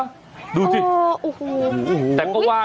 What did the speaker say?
โอ้โหโอ้โห